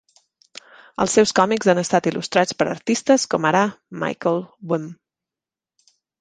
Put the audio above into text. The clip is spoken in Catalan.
Els seus còmics han estat il·lustrats per artistes, com ara Michael Wm.